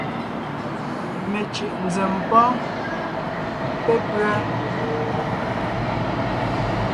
Mencʉ̀ʼ nzèm pɔ́ɔn pépʉ́a: